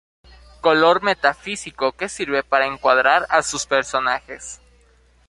Color metafísico que sirve para encuadrar a sus personajes.